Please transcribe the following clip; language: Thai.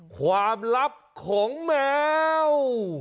ความลับของแมว